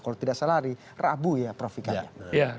kalau tidak salah hari rabu ya profikanya